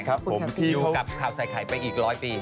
อยู่กับคราวสายไข่ไปอีกร้อยปี